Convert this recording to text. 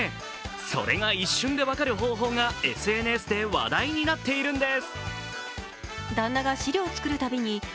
それが一瞬で分かる方法がＳＮＳで話題になっているんです。